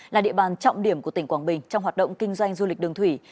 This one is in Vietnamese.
là địa bàn trọng điểm của tỉnh quảng bình trong hoạt động kinh doanh du lịch đường thủy